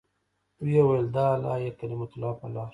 ويې ويل د اعلاى کلمة الله په لاره.